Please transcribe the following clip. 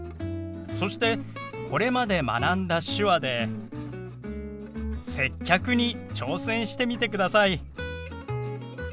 そしてこれまで学んだ手話で接客に挑戦してみてください。